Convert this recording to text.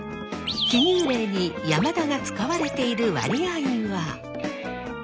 記入例に山田が使われている割合は。